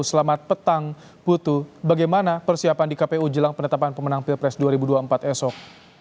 selamat petang putu bagaimana persiapan di kpu jelang penetapan pemenang pilpres dua ribu dua puluh empat esok